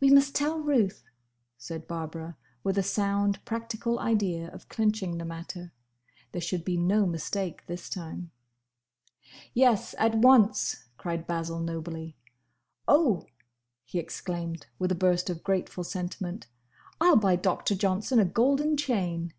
"We must tell Ruth," said Barbara, with a sound practical idea of clinching the matter. There should be no mistake this time. "Yes! at once!" cried Basil, nobly. "Oh!" he exclaimed, with a burst of grateful sentiment, "I 'll buy Doctor Johnson a golden chain!"